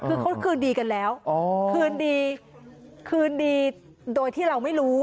คือเขาคืนดีกันแล้วคืนดีคืนดีโดยที่เราไม่รู้